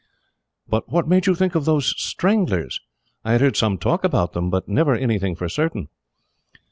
"But what made you think of these Stranglers? I had heard some talk about them, but never anything for certain."